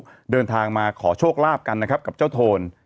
ก็เดินทางมาขอโชคลาภกันนะครับกับเจ้าโทน